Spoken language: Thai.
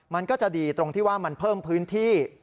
มันก็จะดีตรงที่ว่ามันเพิ่มพื้นที่